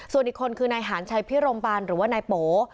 ส่วนอีกคนคือนายหานชัยพิรมบาลหรือว่านายโป